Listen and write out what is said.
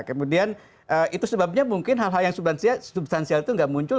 kemudian itu sebabnya mungkin hal hal yang substansial itu nggak muncul